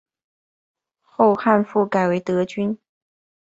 后汉复改成德军。